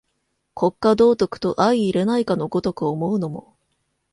国家道徳と相容れないかの如く思うのも、